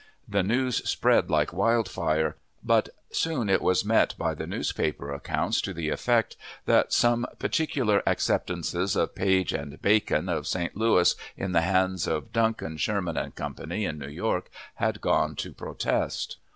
The news spread like wild fire, but soon it was met by the newspaper accounts to the effect that some particular acceptances of Page & Bacon, of St. Louis, in the hands of Duncan, Sherman & Co., in New York, had gone to protest.